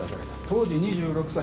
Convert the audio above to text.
当時２６歳。